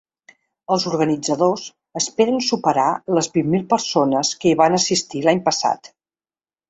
Els organitzadors esperen superar les vint mil persones que hi van assistir l’any passat.